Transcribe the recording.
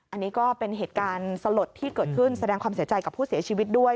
อันนี้ก็เป็นเหตุการณ์สลดที่เกิดขึ้นแสดงความเสียใจกับผู้เสียชีวิตด้วย